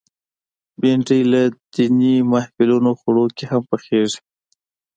بېنډۍ له دینی محفلونو خوړو کې هم پخېږي